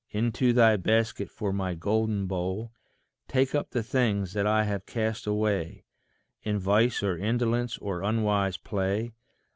Into thy basket, for my golden bowl, Take up the things that I have cast away In vice or indolence or unwise play.